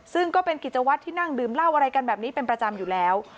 ซึ่งก็เป็นกิจวัตรที่นั่งดื่มเหล้าอะไรกันแบบนี้เป็นประจำอยู่แล้ว